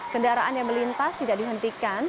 kendaraan yang melintas tidak dihentikan